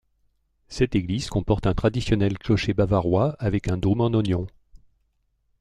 Cette église comporte un traditionnel clocher bavarois avec un dôme en oignon.